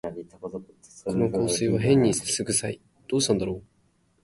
この香水はへんに酢くさい、どうしたんだろう